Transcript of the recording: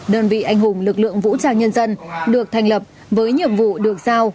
đơn vị anh hùng lực lượng vũ trang nhân dân được thành lập với nhiệm vụ được giao